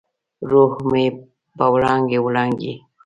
روح به مې وړانګې، وړانګې،